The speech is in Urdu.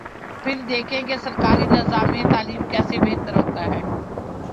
پھر دیکھیں کہ سرکاری نظام تعلیم کیسے بہتر ہوتا ہے۔